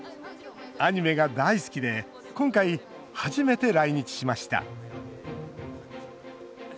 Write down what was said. アニメが大好きで今回、初めて来日しました。